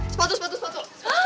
sepatu sepatu sepatu